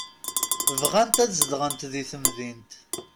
Bɣant ad zedɣent di temdint.